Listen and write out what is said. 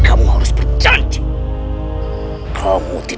kamu tidak akan menikmati